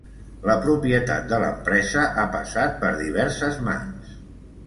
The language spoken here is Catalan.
La propietat de l'empresa ha passat per diverses mans.